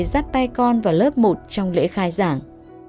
dắt tay con vào lớp một trong lễ khai giảng